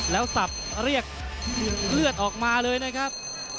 แล้วสับเรียกเลือดออกมาเลยนะครับ